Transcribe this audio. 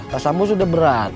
tas ambus udah berat